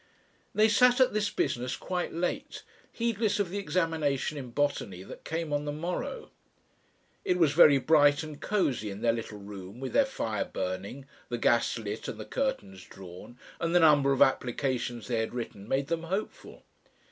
They sat at this business quite late, heedless of the examination in botany that came on the morrow. It was very bright and cosy in their little room with their fire burning, the gas lit and the curtains drawn, and the number of applications they had written made them hopeful.